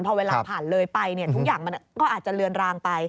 พอเวลาผ่านเลยไปทุกอย่างมันก็อาจจะเลือนรางไป